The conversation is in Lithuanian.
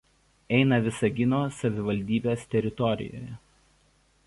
Eina Visagino savivaldybės teritorijoje.